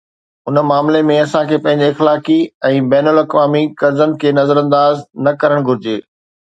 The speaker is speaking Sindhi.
ان معاملي ۾، اسان کي پنهنجي اخلاقي ۽ بين الاقوامي فرضن کي نظرانداز نه ڪرڻ گهرجي.